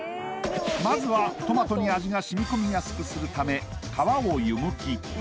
まずはトマトに味が染み込みやすくするため皮を湯むき